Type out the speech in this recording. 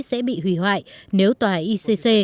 sẽ bị hủy hoại nếu tòa icc